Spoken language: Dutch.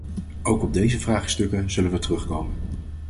Ook op deze vraagstukken zullen we terugkomen.